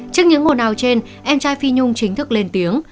trước những ồn ào trên em trai phi nhung chính thức lên tiếng